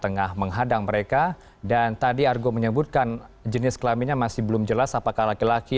tengah menghadang mereka dan tadi argo menyebutkan jenis kelaminnya masih belum jelas apakah laki laki